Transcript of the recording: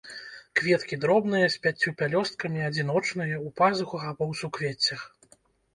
Кветкі дробныя, з пяццю пялёсткамі, адзіночныя, у пазухах або ў суквеццях.